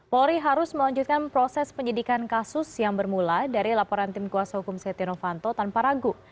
polri harus melanjutkan proses penyidikan kasus yang bermula dari laporan tim kuasa hukum setia novanto tanpa ragu